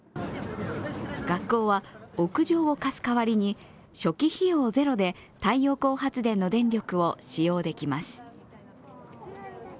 学校は屋上を貸す代わりに初期費用ゼロで太陽光発電の電力を使用できます。